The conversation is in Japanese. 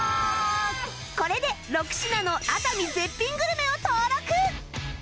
これで６品の熱海絶品グルメを登録